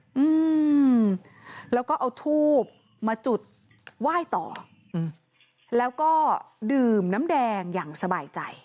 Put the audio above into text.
อืมแล้วก็เอาทูบมาจุดไหว้ต่ออืมแล้วก็ดื่มน้ำแดงอย่างสบายใจ